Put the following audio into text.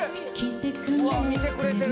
うわっ見てくれてる。